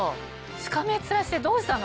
しかめっ面してどうしたの？